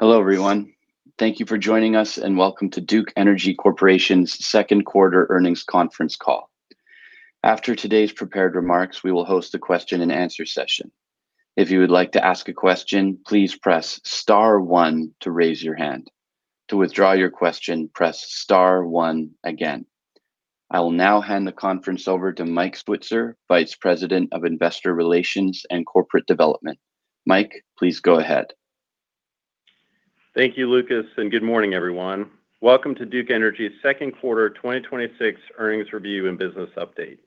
Hello, everyone. Thank you for joining us, and welcome to Duke Energy Corporation's second quarter earnings conference call. After today's prepared remarks, we will host a question and answer session. If you would like to ask a question, please press star one to raise your hand. To withdraw your question, press star one again. I will now hand the conference over to Mike Switzer, Vice President of Investor Relations and Corporate Development. Mike, please go ahead. Thank you, Lucas, and good morning, everyone. Welcome to Duke Energy's second quarter 2026 earnings review and business update.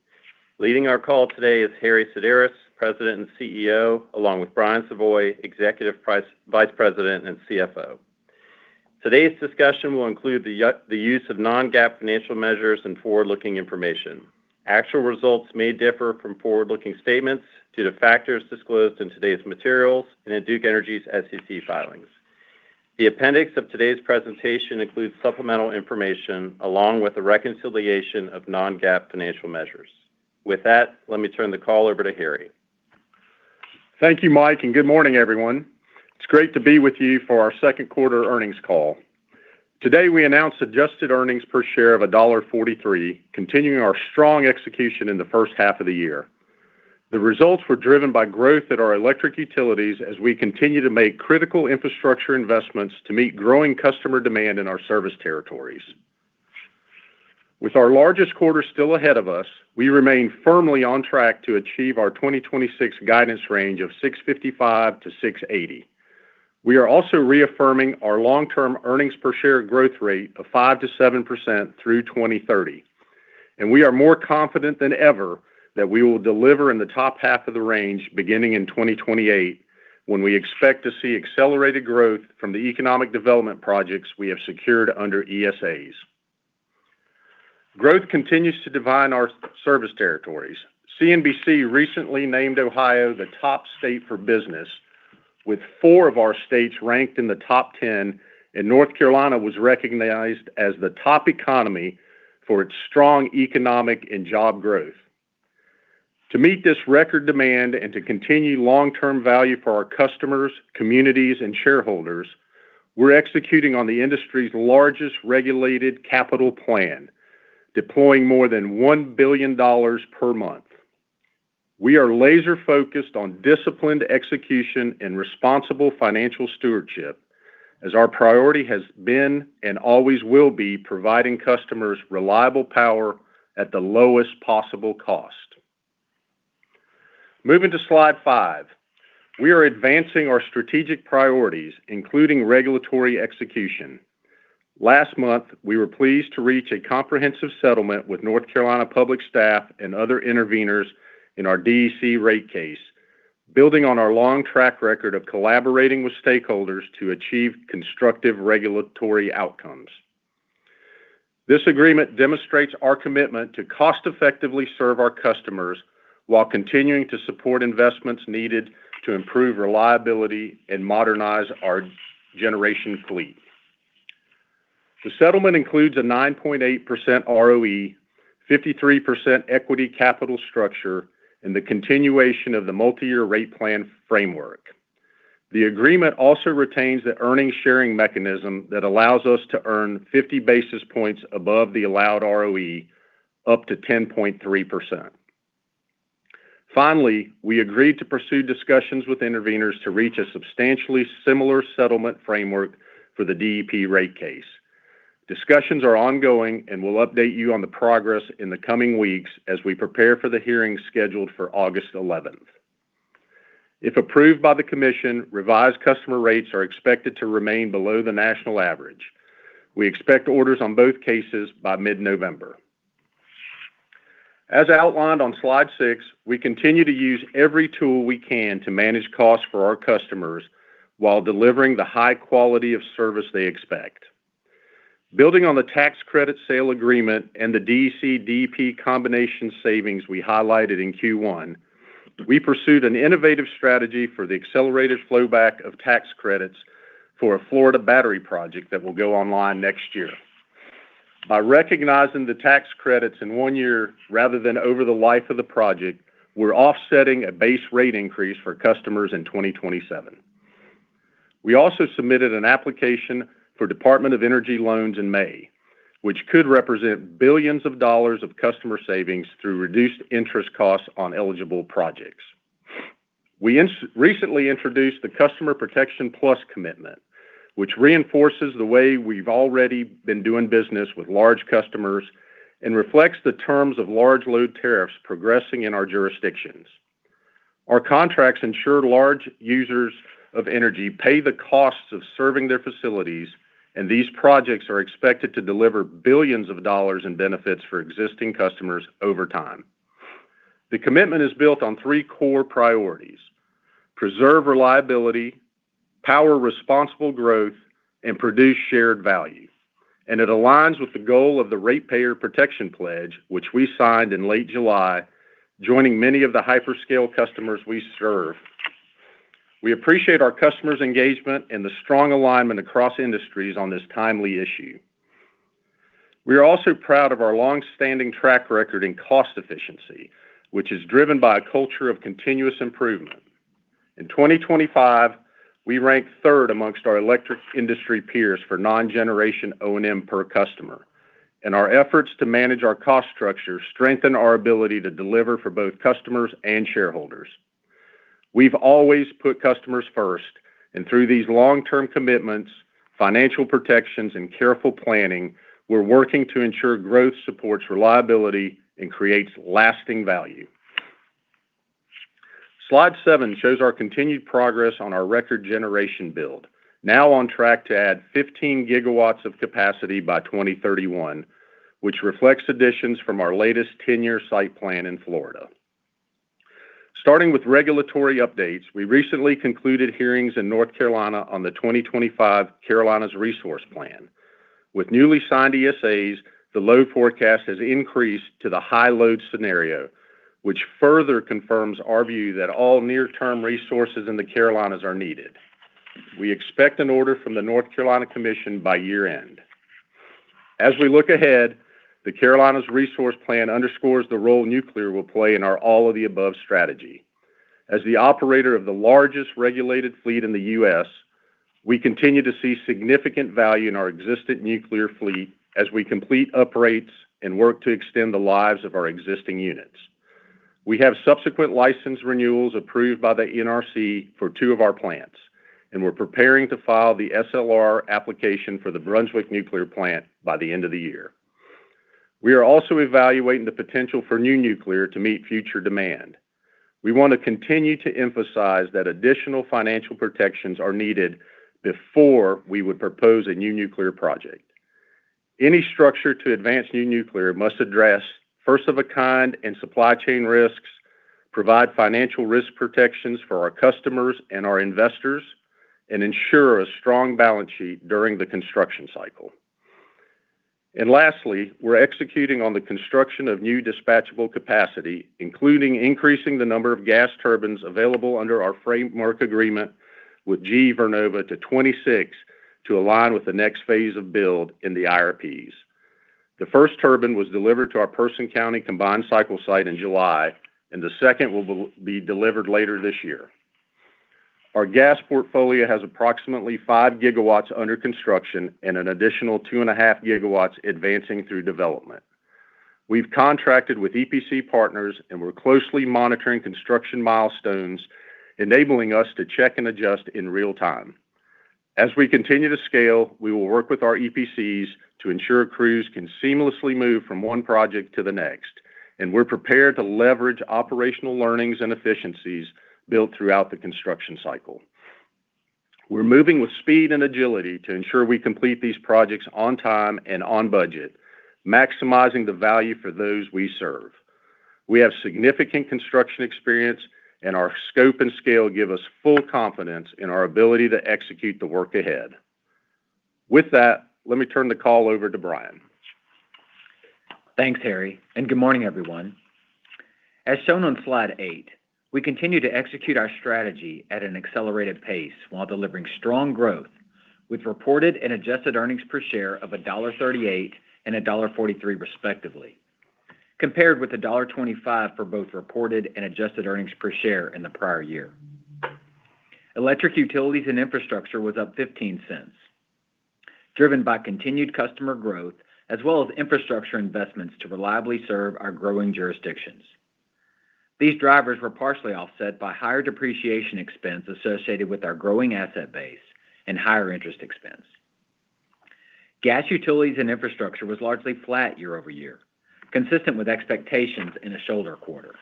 Leading our call today is Harry Sideris, President and CEO, along with Brian Savoy, Executive Vice President and CFO. Today's discussion will include the use of non-GAAP financial measures and forward-looking information. Actual results may differ from forward-looking statements due to factors disclosed in today's materials and in Duke Energy's SEC filings. The appendix of today's presentation includes supplemental information along with a reconciliation of non-GAAP financial measures. With that, let me turn the call over to Harry. Thank you, Mike, and good morning, everyone. It's great to be with you for our second quarter earnings call. Today, we announced adjusted earnings per share of $1.43, continuing our strong execution in the first half of the year. The results were driven by growth at our electric utilities as we continue to make critical infrastructure investments to meet growing customer demand in our service territories. With our largest quarter still ahead of us, we remain firmly on track to achieve our 2026 guidance range of $6.55-$6.80. We are also reaffirming our long-term earnings per share growth rate of 5%-7% through 2030, and we are more confident than ever that we will deliver in the top half of the range beginning in 2028, when we expect to see accelerated growth from the economic development projects we have secured under ESAs. Growth continues to define our service territories. CNBC recently named Ohio the top state for business with four of our states ranked in the top 10. North Carolina was recognized as the top economy for its strong economic and job growth. To meet this record demand and to continue long-term value for our customers, communities, and shareholders, we're executing on the industry's largest regulated capital plan, deploying more than $1 billion per month. We are laser-focused on disciplined execution and responsible financial stewardship as our priority has been and always will be providing customers reliable power at the lowest possible cost. Moving to slide five. We are advancing our strategic priorities, including regulatory execution. Last month, we were pleased to reach a comprehensive settlement with North Carolina Public Staff and other interveners in our DEC rate case, building on our long track record of collaborating with stakeholders to achieve constructive regulatory outcomes. This agreement demonstrates our commitment to cost-effectively serve our customers while continuing to support investments needed to improve reliability and modernize our generation fleet. The settlement includes a 9.8% ROE, 53% equity capital structure, and the continuation of the multi-year rate plan framework. The agreement also retains the earning sharing mechanism that allows us to earn 50 basis points above the allowed ROE, up to 10.3%. Finally, we agreed to pursue discussions with interveners to reach a substantially similar settlement framework for the DEP rate case. Discussions are ongoing, and we'll update you on the progress in the coming weeks as we prepare for the hearing scheduled for August 11th. If approved by the commission, revised customer rates are expected to remain below the national average. We expect orders on both cases by mid-November. As outlined on slide six, we continue to use every tool we can to manage costs for our customers while delivering the high quality of service they expect. Building on the tax credit sale agreement and the DEC-DEP combination savings we highlighted in Q1, we pursued an innovative strategy for the accelerated flow back of tax credits for a Florida battery project that will go online next year. By recognizing the tax credits in one year rather than over the life of the project, we're offsetting a base rate increase for customers in 2027. We also submitted an application for Department of Energy loans in May, which could represent billions of dollars of customer savings through reduced interest costs on eligible projects. We recently introduced the Customer Protection Plus commitment, which reinforces the way we've already been doing business with large customers and reflects the terms of large load tariffs progressing in our jurisdictions. Our contracts ensure large users of energy pay the costs of serving their facilities, and these projects are expected to deliver billions of dollars in benefits for existing customers over time. The commitment is built on three core priorities. Preserve reliability, power responsible growth, and produce shared value. It aligns with the goal of the Ratepayer Protection Pledge, which we signed in late July, joining many of the hyperscale customers we serve. We appreciate our customers' engagement and the strong alignment across industries on this timely issue. We are also proud of our longstanding track record in cost efficiency, which is driven by a culture of continuous improvement. In 2025, we ranked third amongst our electric industry peers for non-generation O&M per customer. Our efforts to manage our cost structure strengthen our ability to deliver for both customers and shareholders. We've always put customers first. Through these long-term commitments, financial protections, and careful planning, we're working to ensure growth supports reliability and creates lasting value. Slide seven shows our continued progress on our record generation build, now on track to add 15 GW of capacity by 2031, which reflects additions from our latest 10-year site plan in Florida. Starting with regulatory updates, we recently concluded hearings in North Carolina on the 2025 Carolinas Resource Plan. With newly signed ESAs, the load forecast has increased to the high load scenario, which further confirms our view that all near-term resources in the Carolinas are needed. We expect an order from the North Carolina Commission by year-end. As we look ahead, the Carolinas Resource Plan underscores the role nuclear will play in our all-of-the-above strategy. As the operator of the largest regulated fleet in the U.S., we continue to see significant value in our existing nuclear fleet as we complete uprates and work to extend the lives of our existing units. We have subsequent license renewals approved by the NRC for two of our plants, and we're preparing to file the SLR application for the Brunswick Nuclear Plant by the end of the year. We are also evaluating the potential for new nuclear to meet future demand. We want to continue to emphasize that additional financial protections are needed before we would propose a new nuclear project. Any structure to advance new nuclear must address first-of-a-kind and supply chain risks, provide financial risk protections for our customers and our investors, and ensure a strong balance sheet during the construction cycle. Lastly, we're executing on the construction of new dispatchable capacity, including increasing the number of gas turbines available under our framework agreement with GE Vernova to 26 to align with the next phase of build in the IRPs. The first turbine was delivered to our Person County combined cycle site in July, and the second will be delivered later this year. Our gas portfolio has approximately 5 GW under construction and an additional 2.5 GW advancing through development. We've contracted with EPC partners and we're closely monitoring construction milestones, enabling us to check and adjust in real time. As we continue to scale, we will work with our EPCs to ensure crews can seamlessly move from one project to the next, and we're prepared to leverage operational learnings and efficiencies built throughout the construction cycle. We're moving with speed and agility to ensure we complete these projects on time and on budget, maximizing the value for those we serve. We have significant construction experience, and our scope and scale give us full confidence in our ability to execute the work ahead. With that, let me turn the call over to Brian. Thanks, Harry. Good morning, everyone. As shown on slide eight, we continue to execute our strategy at an accelerated pace while delivering strong growth with reported and adjusted earnings per share of $1.38 and $1.43 respectively, compared with $1.25 for both reported and adjusted earnings per share in the prior year. Electric utilities and infrastructure was up $0.15, driven by continued customer growth as well as infrastructure investments to reliably serve our growing jurisdictions. These drivers were partially offset by higher depreciation expense associated with our growing asset base and higher interest expense. Gas utilities and infrastructure was largely flat year-over-year, consistent with expectations in a shoulder quarter.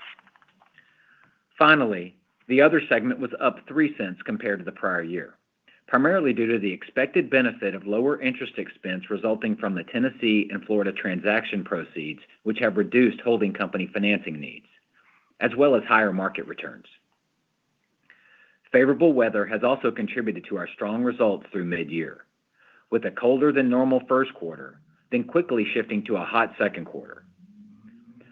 Finally, the other segment was up $0.03 compared to the prior year, primarily due to the expected benefit of lower interest expense resulting from the Tennessee and Florida transaction proceeds, which have reduced holding company financing needs, as well as higher market returns. Favorable weather has also contributed to our strong results through mid-year, with a colder than normal first quarter, then quickly shifting to a hot second quarter.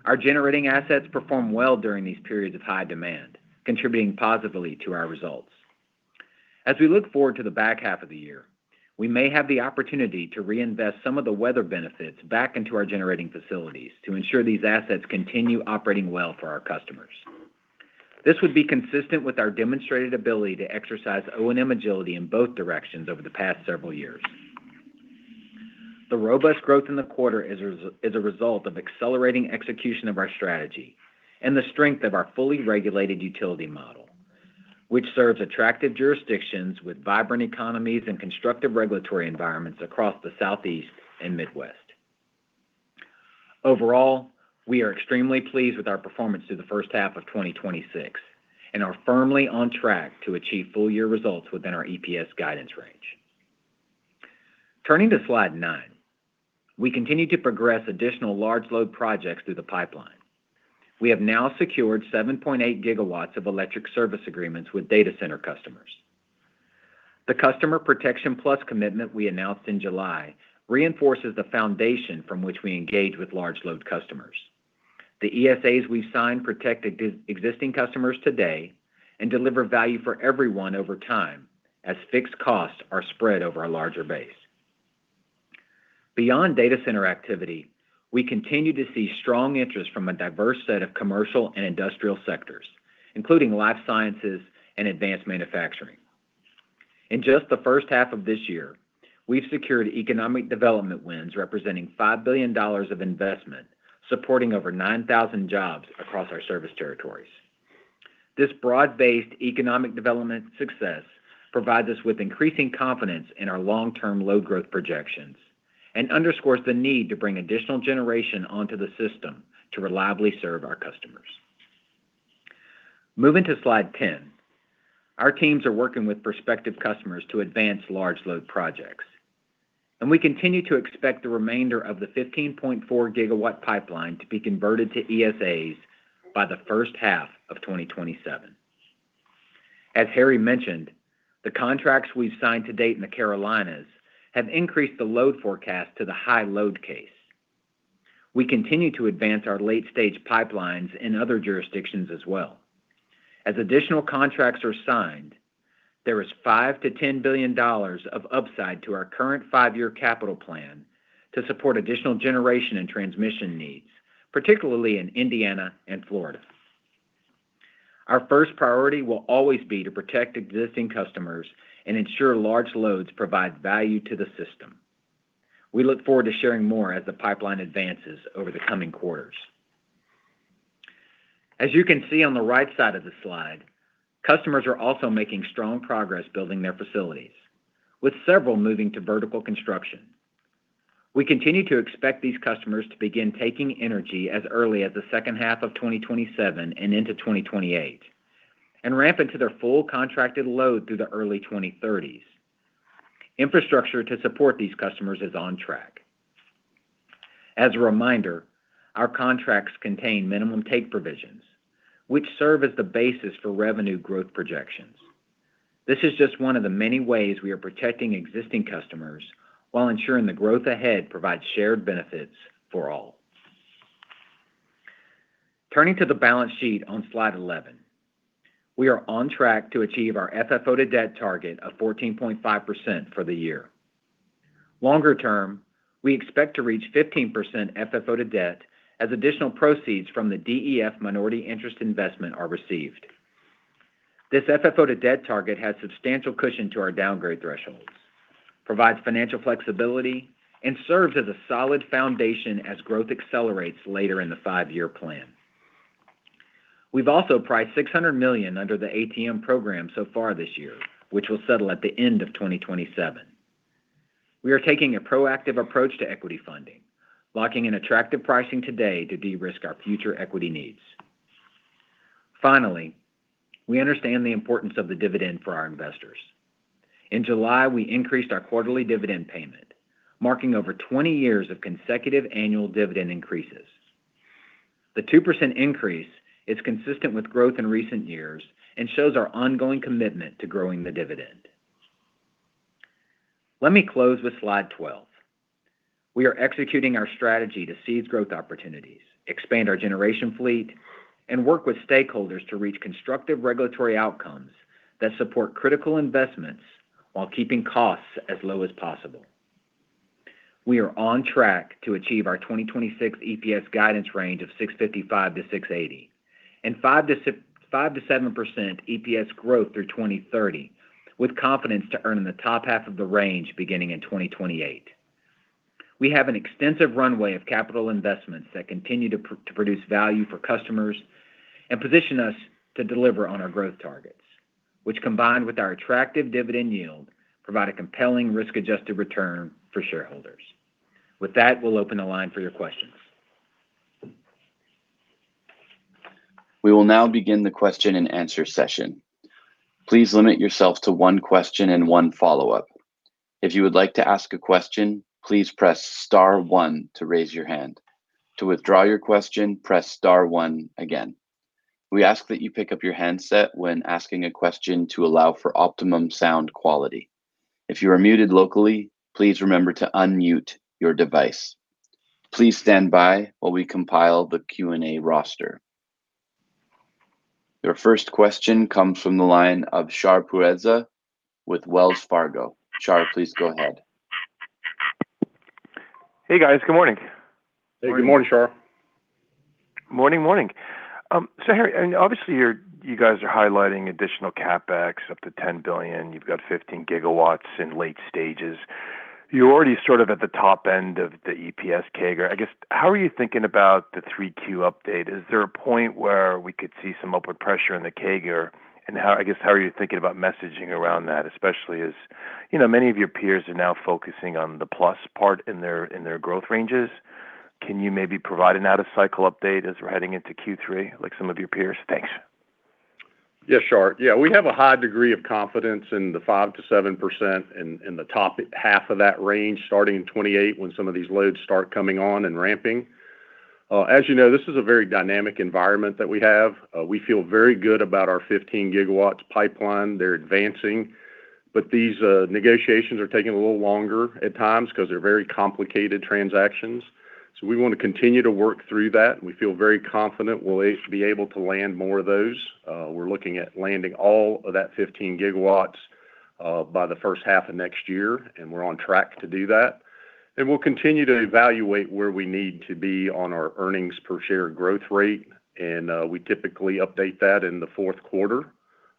Our generating assets perform well during these periods of high demand, contributing positively to our results. As we look forward to the back half of the year, we may have the opportunity to reinvest some of the weather benefits back into our generating facilities to ensure these assets continue operating well for our customers. This would be consistent with our demonstrated ability to exercise O&M agility in both directions over the past several years. The robust growth in the quarter is a result of accelerating execution of our strategy and the strength of our fully regulated utility model, which serves attractive jurisdictions with vibrant economies and constructive regulatory environments across the Southeast and Midwest. Overall, we are extremely pleased with our performance through the first half of 2026 and are firmly on track to achieve full year results within our EPS guidance range. Turning to slide nine. We continue to progress additional large load projects through the pipeline. We have now secured 7.8 GW of electric service agreements with data center customers. The Customer Protection Plus commitment we announced in July reinforces the foundation from which we engage with large load customers. The ESAs we've signed protect existing customers today and deliver value for everyone over time as fixed costs are spread over a larger base. Beyond data center activity, we continue to see strong interest from a diverse set of commercial and industrial sectors, including life sciences and advanced manufacturing. In just the first half of this year, we've secured economic development wins representing $5 billion of investment, supporting over 9,000 jobs across our service territories. This broad-based economic development success provides us with increasing confidence in our long-term load growth projections and underscores the need to bring additional generation onto the system to reliably serve our customers. Moving to slide 10. Our teams are working with prospective customers to advance large load projects, and we continue to expect the remainder of the 15.4-GW pipeline to be converted to ESAs by the first half of 2027. As Harry mentioned, the contracts we've signed to date in the Carolinas have increased the load forecast to the high load case. We continue to advance our late-stage pipelines in other jurisdictions as well. As additional contracts are signed, there is $5 billion-$10 billion of upside to our current five-year capital plan to support additional generation and transmission needs, particularly in Indiana and Florida. Our first priority will always be to protect existing customers and ensure large loads provide value to the system. We look forward to sharing more as the pipeline advances over the coming quarters. As you can see on the right side of the slide, customers are also making strong progress building their facilities, with several moving to vertical construction. We continue to expect these customers to begin taking energy as early as the second half of 2027 and into 2028 and ramp into their full contracted load through the early 2030s. Infrastructure to support these customers is on track. As a reminder, our contracts contain minimum take provisions, which serve as the basis for revenue growth projections. This is just one of the many ways we are protecting existing customers while ensuring the growth ahead provides shared benefits for all. Turning to the balance sheet on slide 11. We are on track to achieve our FFO to debt target of 14.5% for the year. Longer term, we expect to reach 15% FFO to debt as additional proceeds from the DEF minority interest investment are received. This FFO to debt target has substantial cushion to our downgrade thresholds, provides financial flexibility, and serves as a solid foundation as growth accelerates later in the five-year plan. We've also priced $600 million under the ATM program so far this year, which will settle at the end of 2027. We are taking a proactive approach to equity funding, locking in attractive pricing today to de-risk our future equity needs. Finally, we understand the importance of the dividend for our investors. In July, we increased our quarterly dividend payment, marking over 20 years of consecutive annual dividend increases. The 2% increase is consistent with growth in recent years and shows our ongoing commitment to growing the dividend. Let me close with slide 12. We are executing our strategy to seize growth opportunities, expand our generation fleet, and work with stakeholders to reach constructive regulatory outcomes that support critical investments while keeping costs as low as possible. We are on track to achieve our 2026 EPS guidance range of $6.55-$6.80 and 5%-7% EPS growth through 2030, with confidence to earn in the top half of the range beginning in 2028. We have an extensive runway of capital investments that continue to produce value for customers and position us to deliver on our growth targets, which, combined with our attractive dividend yield, provide a compelling risk-adjusted return for shareholders. With that, we'll open the line for your questions. We will now begin the question and answer session. Please limit yourself to one question and one follow-up. If you would like to ask a question, please press star one to raise your hand. To withdraw your question, press star one again. We ask that you pick up your handset when asking a question to allow for optimum sound quality. If you are muted locally, please remember to unmute your device. Please stand by while we compile the Q&A roster. Your first question comes from the line of Shar Pourreza with Wells Fargo. Shar, please go ahead. Hey, guys. Good morning. Hey, good morning, Shar. Morning. Harry, obviously you guys are highlighting additional CapEx up to $10 billion. You've got 15 GW in late stages. You're already sort of at the top end of the EPS CAGR. I guess, how are you thinking about the 3Q update? Is there a point where we could see some upward pressure in the CAGR? I guess, how are you thinking about messaging around that? Especially as many of your peers are now focusing on the plus part in their growth ranges. Can you maybe provide an out of cycle update as we're heading into Q3, like some of your peers? Thanks. Yeah, Shar. Yeah, we have a high degree of confidence in the 5%-7% in the top half of that range, starting in 2028 when some of these loads start coming on and ramping. As you know, this is a very dynamic environment that we have. We feel very good about our 15 GW pipeline. They're advancing. These negotiations are taking a little longer at times because they're very complicated transactions. We want to continue to work through that, and we feel very confident we'll be able to land more of those. We're looking at landing all of that 15 GW by the first half of next year, and we're on track to do that. We'll continue to evaluate where we need to be on our earnings per share growth rate. We typically update that in the fourth quarter.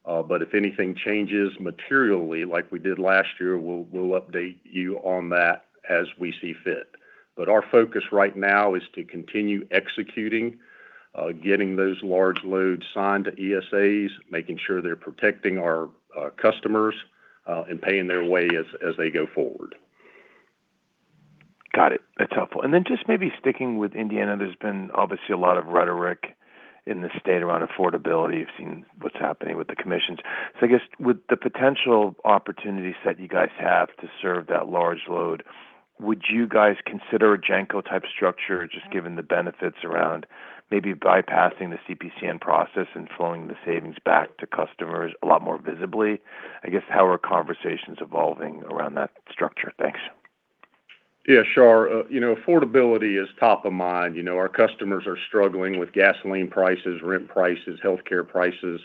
If anything changes materially like we did last year, we'll update you on that as we see fit. Our focus right now is to continue executing, getting those large loads signed to ESAs, making sure they're protecting our customers, and paying their way as they go forward. Got it. That's helpful. Just maybe sticking with Indiana, there's been obviously a lot of rhetoric in the state around affordability. We've seen what's happening with the commissions. I guess with the potential opportunities that you guys have to serve that large load, would you guys consider a GENCO type structure, just given the benefits around maybe bypassing the CPCN process and flowing the savings back to customers a lot more visibly? I guess, how are conversations evolving around that structure? Thanks. Yeah, sure. Affordability is top of mind. Our customers are struggling with gasoline prices, rent prices, healthcare prices.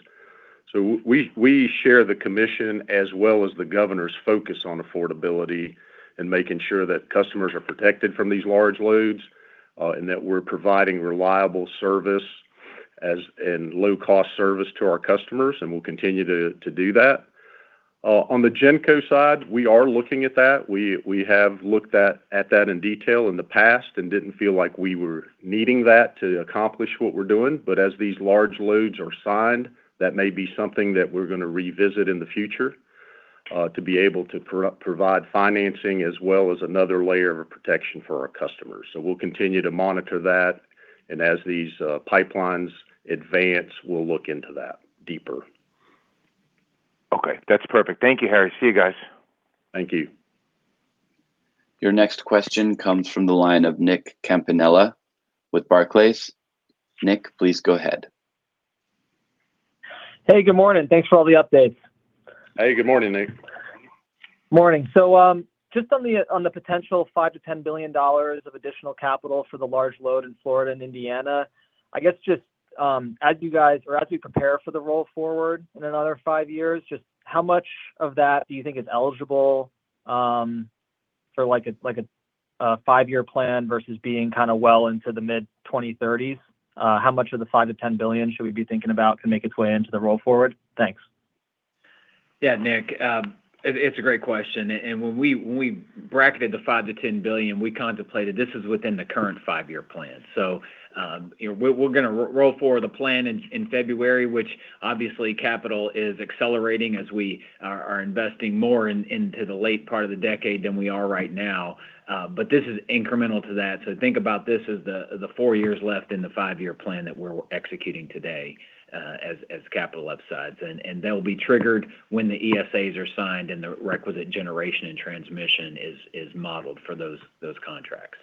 We share the commission as well as the governor's focus on affordability and making sure that customers are protected from these large loads, and that we're providing reliable service and low-cost service to our customers, and we'll continue to do that. On the GENCO side, we are looking at that. We have looked at that in detail in the past and didn't feel like we were needing that to accomplish what we're doing. As these large loads are signed, that may be something that we're going to revisit in the future, to be able to provide financing as well as another layer of protection for our customers. We'll continue to monitor that. As these pipelines advance, we'll look into that deeper. Okay. That's perfect. Thank you, Harry. See you guys. Thank you. Your next question comes from the line of Nick Campanella with Barclays. Nick, please go ahead. Hey, good morning. Thanks for all the updates. Hey, good morning, Nick. Morning. Just on the potential $5 billion-$10 billion of additional capital for the large load in Florida and Indiana, I guess just, as you guys or as we prepare for the roll forward in another five years, just how much of that do you think is eligible for a five-year plan versus being well into the mid 2030s? How much of the $5 billion-$10 billion should we be thinking about can make its way into the roll forward? Thanks. Yeah, Nick. It's a great question. When we bracketed the $5 billion-$10 billion we contemplated, this is within the current five-year plan. We're going to roll forward the plan in February, which obviously capital is accelerating as we are investing more into the late part of the decade than we are right now. This is incremental to that. Think about this as the four years left in the five-year plan that we're executing today, as capital upsides. That'll be triggered when the ESAs are signed and the requisite generation and transmission is modeled for those contracts.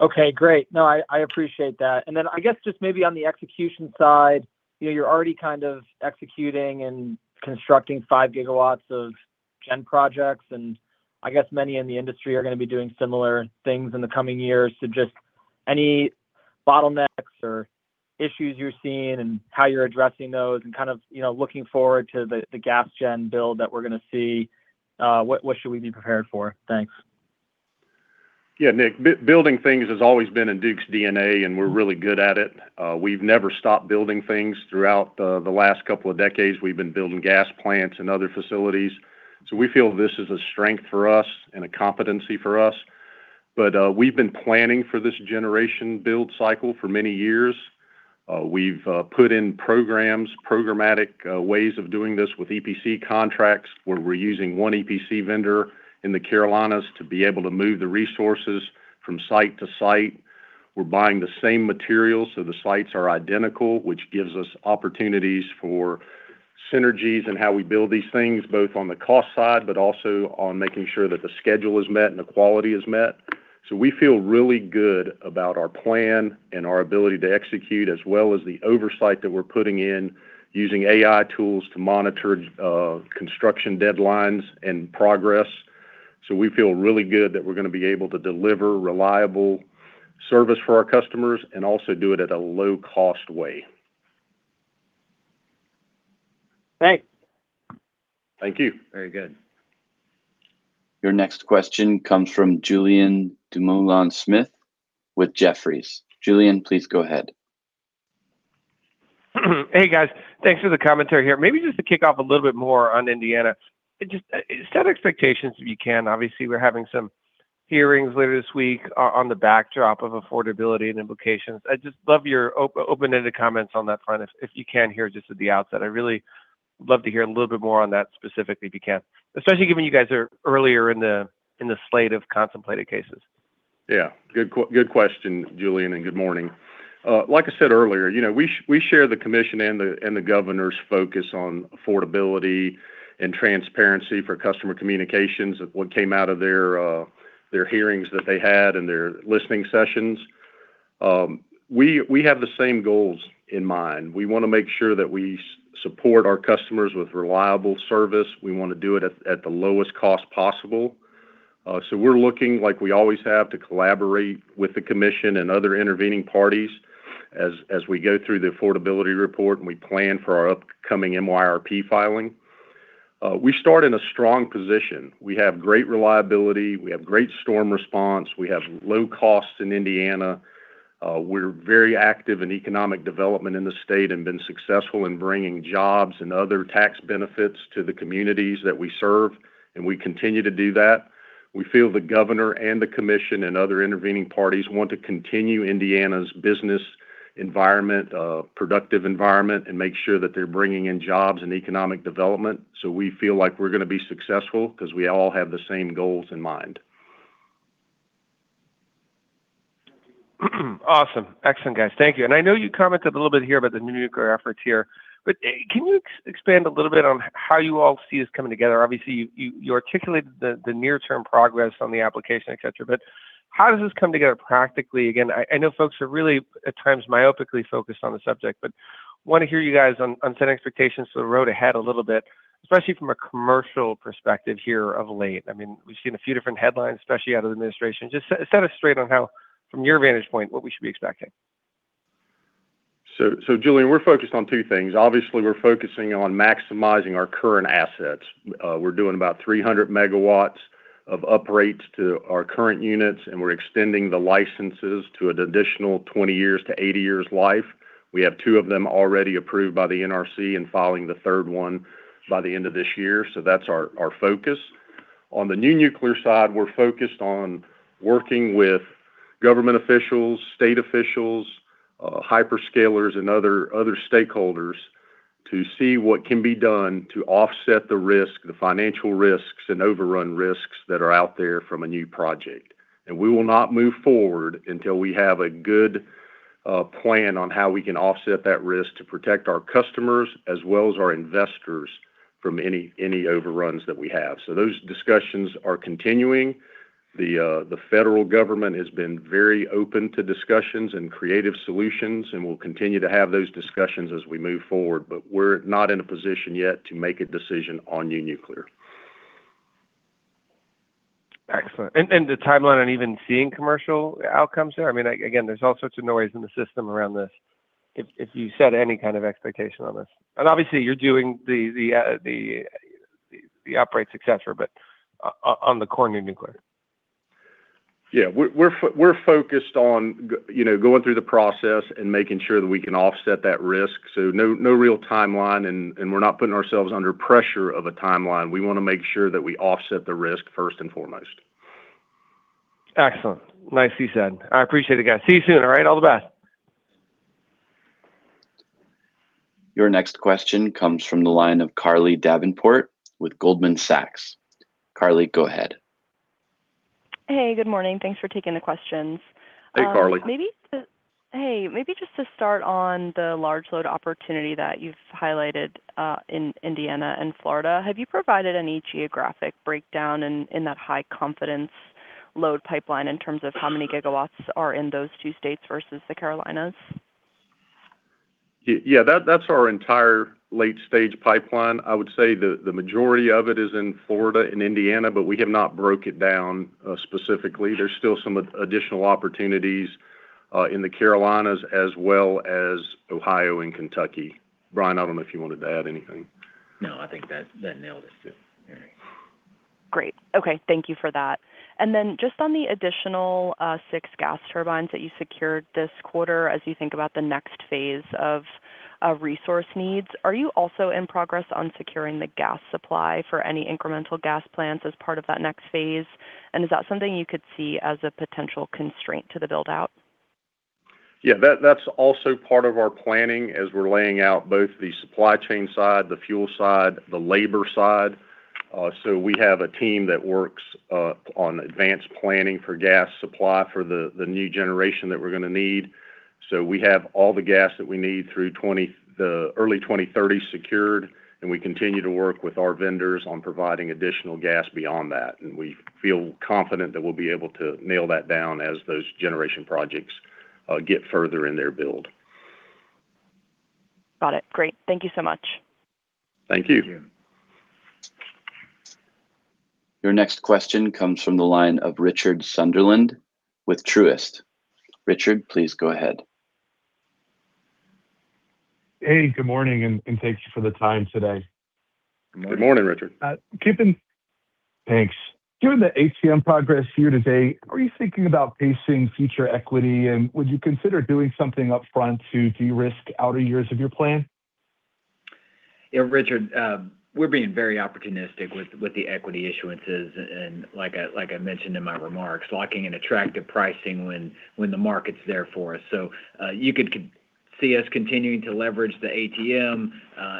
Okay, great. No, I appreciate that. I guess just maybe on the execution side, you're already kind of executing and constructing 5 GW of gen projects, and I guess many in the industry are going to be doing similar things in the coming years. Just any bottlenecks or issues you're seeing and how you're addressing those and kind of looking forward to the gas gen build that we're going to see, what should we be prepared for? Thanks. Yeah, Nick. Building things has always been in Duke's DNA, we're really good at it. We've never stopped building things throughout the last couple of decades. We've been building gas plants and other facilities. We feel this is a strength for us and a competency for us. We've been planning for this generation build cycle for many years. We've put in programs, programmatic ways of doing this with EPC contracts, where we're using one EPC vendor in the Carolinas to be able to move the resources from site to site. We're buying the same materials, the sites are identical, which gives us opportunities for synergies in how we build these things, both on the cost side, also on making sure that the schedule is met and the quality is met. We feel really good about our plan and our ability to execute as well as the oversight that we're putting in using AI tools to monitor construction deadlines and progress. We feel really good that we're going to be able to deliver reliable service for our customers and also do it at a low-cost way. Thanks. Thank you. Very good. Your next question comes from Julien Dumoulin-Smith with Jefferies. Julien, please go ahead. Hey, guys. Thanks for the commentary here. Maybe just to kick off a little bit more on Indiana. Just set expectations if you can. Obviously, we're having some hearings later this week on the backdrop of affordability and implications. I'd just love your open-ended comments on that front if you can here just at the outset. I'd really love to hear a little bit more on that specifically if you can. Especially given you guys are earlier in the slate of contemplated cases. Yeah. Good question, Julien, and good morning. Like I said earlier, we share the commission and the governor's focus on affordability and transparency for customer communications of what came out of their hearings that they had and their listening sessions. We have the same goals in mind. We want to make sure that we support our customers with reliable service. We want to do it at the lowest cost possible. We're looking, like we always have, to collaborate with the commission and other intervening parties as we go through the affordability report and we plan for our upcoming MYRP filing. We start in a strong position. We have great reliability. We have great storm response. We have low costs in Indiana. We're very active in economic development in the state and been successful in bringing jobs and other tax benefits to the communities that we serve, and we continue to do that. We feel the governor and the commission and other intervening parties want to continue Indiana's business environment, productive environment, and make sure that they're bringing in jobs and economic development. We feel like we're going to be successful because we all have the same goals in mind. Awesome. Excellent, guys. Thank you. I know you commented a little bit here about the new nuclear efforts here, but can you expand a little bit on how you all see this coming together? Obviously, you articulated the near-term progress on the application, et cetera, but how does this come together practically? Again, I know folks are really, at times, myopically focused on the subject, but want to hear you guys on setting expectations for the road ahead a little bit, especially from a commercial perspective here of late. We've seen a few different headlines, especially out of the administration. Just set us straight on how, from your vantage point, what we should be expecting. Julien, we're focused on two things. Obviously, we're focusing on maximizing our current assets. We're doing about 300 MW of uprates to our current units, and we're extending the licenses to an additional 20 years to 80 years life. We have two of them already approved by the NRC and filing the third one by the end of this year, that's our focus. On the new nuclear side, we're focused on working with government officials, state officials, hyperscalers, and other stakeholders to see what can be done to offset the risk, the financial risks and overrun risks that are out there from a new project. We will not move forward until we have a good plan on how we can offset that risk to protect our customers as well as our investors from any overruns that we have. Those discussions are continuing. The federal government has been very open to discussions and creative solutions, we'll continue to have those discussions as we move forward. We're not in a position yet to make a decision on new nuclear. Excellent. The timeline on even seeing commercial outcomes there? Again, there's all sorts of noise in the system around this. If you set any kind of expectation on this. Obviously, you're doing the uprate success rate, but on the core new nuclear. Yeah. We're focused on going through the process and making sure that we can offset that risk. No real timeline, we're not putting ourselves under pressure of a timeline. We want to make sure that we offset the risk first and foremost. Excellent. Nicely said. I appreciate it, guys. See you soon, all right? All the best. Your next question comes from the line of Carly Davenport with Goldman Sachs. Carly, go ahead. Hey, good morning. Thanks for taking the questions. Hey, Carly. Hey. Maybe just to start on the large load opportunity that you've highlighted, in Indiana and Florida. Have you provided any geographic breakdown in that high confidence load pipeline in terms of how many gigawatts are in those two states versus the Carolinas? Yeah, that's our entire late-stage pipeline. I would say the majority of it is in Florida and Indiana, but we have not broke it down specifically. There's still some additional opportunities in the Carolinas as well as Ohio and Kentucky. Brian, I don't know if you wanted to add anything. No, I think that nailed it, too. All right. Great. Okay, thank you for that. Just on the additional six gas turbines that you secured this quarter as you think about the next phase of resource needs, are you also in progress on securing the gas supply for any incremental gas plants as part of that next phase? Is that something you could see as a potential constraint to the build-out? Yeah, that's also part of our planning as we're laying out both the supply chain side, the fuel side, the labor side. We have a team that works on advanced planning for gas supply for the new generation that we're going to need. We have all the gas that we need through the early 2030 secured, and we continue to work with our vendors on providing additional gas beyond that. We feel confident that we'll be able to nail that down as those generation projects get further in their build. Got it. Great. Thank you so much. Thank you. Thank you. Your next question comes from the line of Richard Sunderland with Truist. Richard, please go ahead. Hey, good morning, and thanks for the time today. Good morning, Richard. Good morning. Thanks. Given the ATM progress here today, are you thinking about pacing future equity, and would you consider doing something upfront to de-risk outer years of your plan? Yeah, Richard, we're being very opportunistic with the equity issuances and like I mentioned in my remarks, locking in attractive pricing when the market's there for us. You could see us continuing to leverage the ATM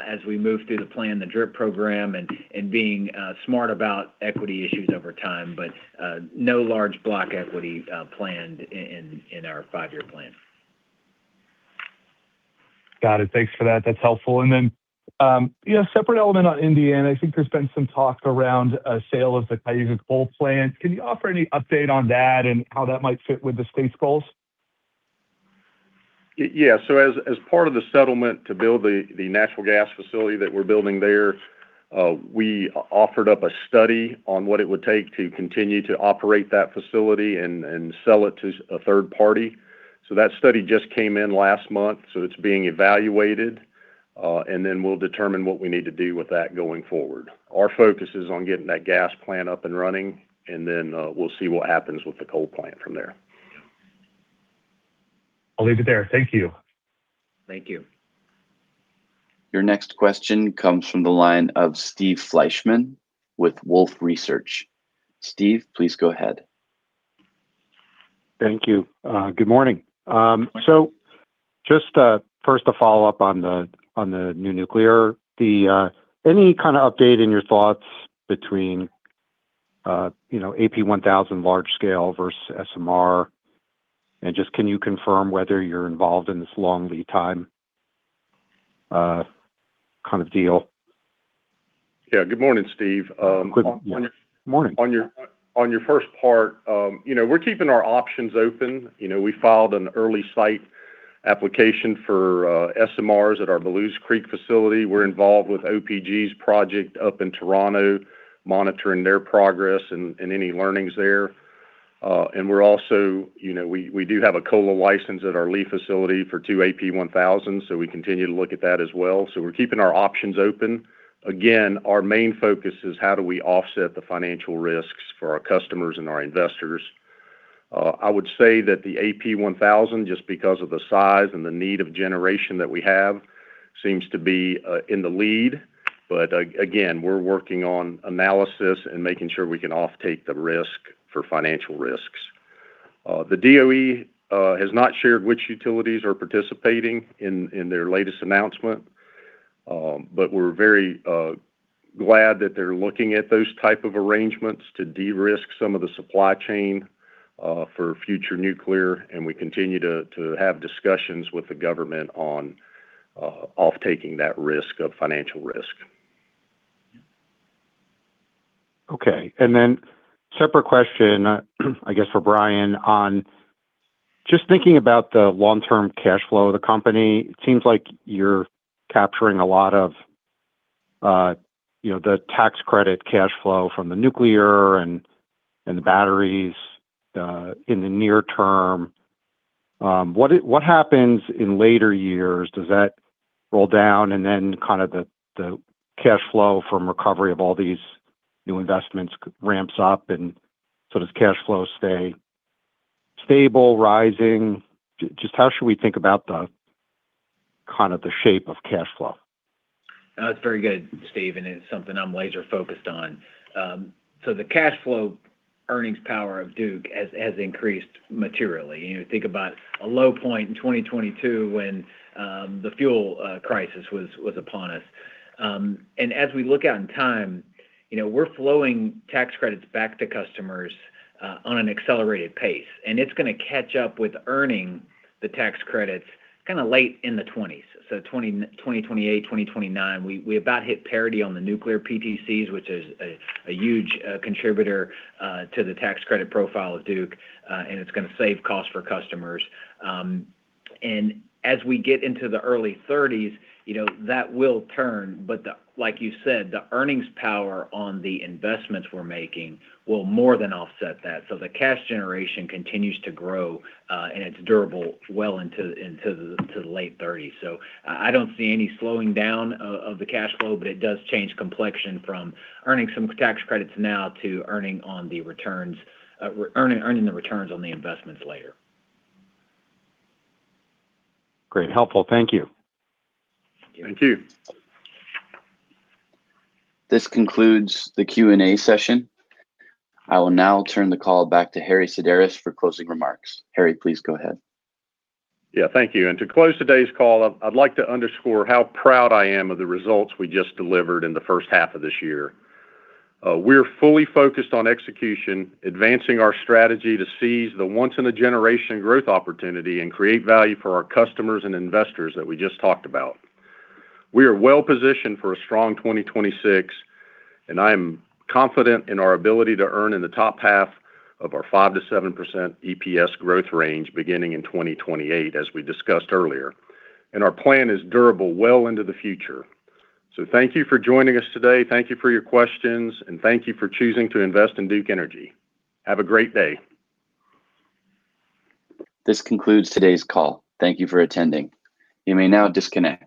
as we move through the plan, the DRIP program, and being smart about equity issues over time. No large block equity planned in our five-year plan. Got it. Thanks for that. That's helpful. Then, separate element on Indiana. I think there's been some talk around a sale of the Cayuga coal plant. Can you offer any update on that and how that might fit with the state's goals? Yeah. As part of the settlement to build the natural gas facility that we're building there, we offered up a study on what it would take to continue to operate that facility and sell it to a third party. That study just came in last month, so it's being evaluated, and then we'll determine what we need to do with that going forward. Our focus is on getting that gas plant up and running, and then we'll see what happens with the coal plant from there. I'll leave it there. Thank you. Thank you. Your next question comes from the line of Steve Fleishman with Wolfe Research. Steve, please go ahead. Thank you. Good morning. Just first to follow up on the new nuclear. Any kind of update in your thoughts between AP1000 large scale versus SMR, and just can you confirm whether you're involved in this long lead time kind of deal? Yeah. Good morning, Steve. Good morning. On your first part, we're keeping our options open. We filed an early site application for SMRs at our Belews Creek facility. We're involved with OPG's project up in Toronto, monitoring their progress and any learnings there. We do have a COLA license at our Lee facility for two AP1000, so we continue to look at that as well. We're keeping our options open. Again, our main focus is how do we offset the financial risks for our customers and our investors. I would say that the AP1000, just because of the size and the need of generation that we have, seems to be in the lead. Again, we're working on analysis and making sure we can off take the risk for financial risks. The DOE has not shared which utilities are participating in their latest announcement. We're very glad that they're looking at those type of arrangements to de-risk some of the supply chain for future nuclear, and we continue to have discussions with the government on off taking that risk of financial risk. Okay. Separate question, I guess for Brian on just thinking about the long-term cash flow of the company. It seems like you're capturing a lot of the tax credit cash flow from the nuclear and the batteries in the near term. What happens in later years? Does that roll down and then the cash flow from recovery of all these new investments ramps up? Does cash flow stay stable, rising? Just how should we think about the shape of cash flow? That's very good, Steve, and it's something I'm laser focused on. The cash flow earnings power of Duke has increased materially. You think about a low point in 2022 when the fuel crisis was upon us. As we look out in time, we're flowing tax credits back to customers on an accelerated pace, and it's going to catch up with earning the tax credits late in the 2020s. 2028, 2029, we about hit parity on the nuclear PTCs, which is a huge contributor to the tax credit profile of Duke. It's going to save costs for customers. As we get into the early 2030s, that will turn. Like you said, the earnings power on the investments we're making will more than offset that. The cash generation continues to grow, and it's durable well into the late 2030s. I don't see any slowing down of the cash flow, but it does change complexion from earning some tax credits now to earning the returns on the investments later. Great. Helpful. Thank you. Thank you. This concludes the Q&A session. I will now turn the call back to Harry Sideris for closing remarks. Harry, please go ahead. Yeah, thank you. To close today's call, I'd like to underscore how proud I am of the results we just delivered in the first half of this year. We're fully focused on execution, advancing our strategy to seize the once-in-a-generation growth opportunity and create value for our customers and investors that we just talked about. We are well-positioned for a strong 2026, and I am confident in our ability to earn in the top half of our 5%-7% EPS growth range beginning in 2028, as we discussed earlier. Our plan is durable well into the future. Thank you for joining us today. Thank you for your questions, and thank you for choosing to invest in Duke Energy. Have a great day. This concludes today's call. Thank you for attending. You may now disconnect.